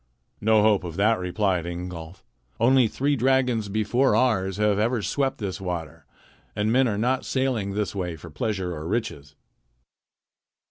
"No hope of that," replied Ingolf. "Only three dragons before ours have ever swept this water, and men are not sailing this way for pleasure or riches."